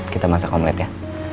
kita masak omelette ya